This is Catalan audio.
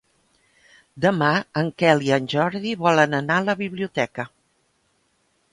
Demà en Quel i en Jordi volen anar a la biblioteca.